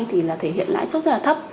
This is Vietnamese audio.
thì là thể hiện lãi suất rất là thấp